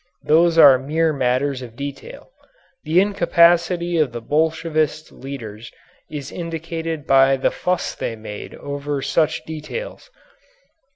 Those are mere matters of detail. The incapacity of the Bolshevist leaders is indicated by the fuss they made over such details.